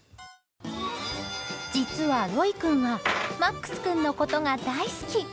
実は、ロイ君はマックス君のことが大好き。